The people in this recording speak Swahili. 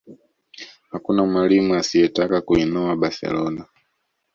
hakuna mwalimu asiyetaka kuinoa barcelona